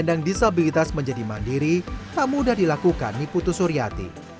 kendang disabilitas menjadi mandiri tak mudah dilakukan diputus suryati